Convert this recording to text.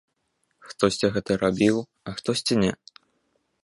Хтосьці гэта рабіў, а хтосьці не.